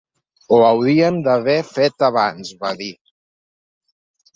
Ho hauríem d’haver fet abans, va dir.